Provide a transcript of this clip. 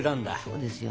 そうですよ。